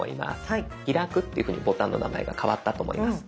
開くというふうにボタンの名前が変わったと思います。